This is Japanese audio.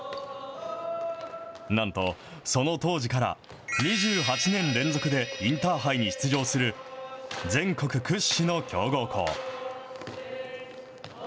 なんと、その当時から、２８年連続でインターハイに出場する全国屈指の強豪校。